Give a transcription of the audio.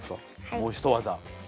もうひと技。